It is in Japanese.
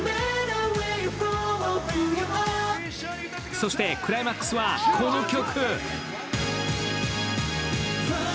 そしてクライマックスはこの曲。